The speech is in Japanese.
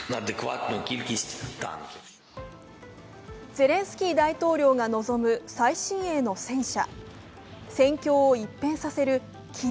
ゼレンスキー大統領が望む最新鋭の戦車。